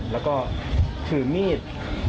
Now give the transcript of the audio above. แล้วก็ถือมีด